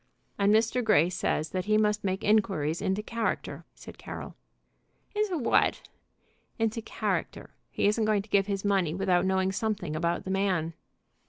"And Mr. Grey says that he must make inquiries into character," said Carroll. "Into what?" "Into character. He isn't going to give his money without knowing something about the man."